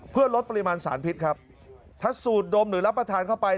เพื่อลดปริมาณสารพิษครับถ้าสูดดมหรือรับประทานเข้าไป